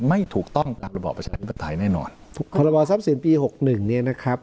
ไม่ถูกต้องตามระบอบประชาธิปไตยแน่นอนพรบทรัพย์สินปีหกหนึ่งเนี่ยนะครับ